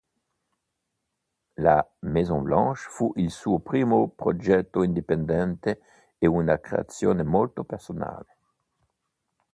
La "Maison blanche" fu il suo primo progetto indipendente ed una creazione molto personale.